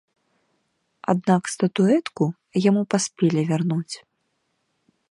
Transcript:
Аднак статуэтку яму паспелі вярнуць.